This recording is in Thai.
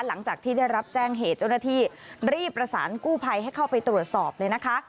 หลังจากที่ได้รับแจ้งเหตุเจ้าหน้าที่รีบประสานกู้ภัยให้เข้าไปตรวจสอบเลยนะคะ